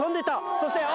そしてあ！